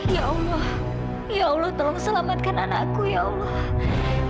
ya allah ya allah tolong selamatkan anakku ya allah